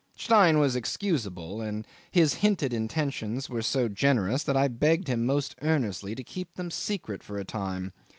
Stein was excusable, and his hinted intentions were so generous that I begged him most earnestly to keep them secret for a time.